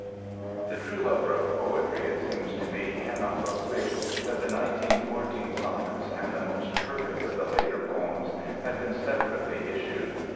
The true lover of poetry, it seems to me, cannot but wish that the "1914" sonnets and the most perfect of the later poems had been separately issued.